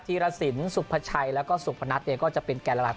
ทีระสินสุพชัยแล้วก็สุพนัทก็จะเป็นแก้นหลัก